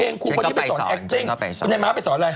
นายมาและไปสอนอะไร